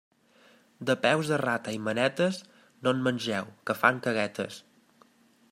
De peus de rata i manetes, no en mengeu, que fan caguetes.